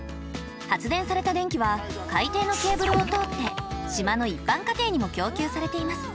発電された電気は海底のケーブルを通って島の一般家庭にも供給されています。